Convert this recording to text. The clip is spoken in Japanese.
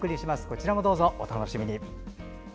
こちらもどうぞお楽しみに。